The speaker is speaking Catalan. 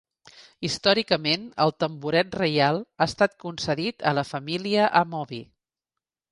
Històricament el tamboret reial ha estat concedit a la família Amobi.